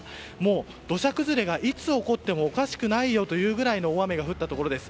土砂崩れがいつ起こってもおかしくないよというぐらいの大雨が降ったところです。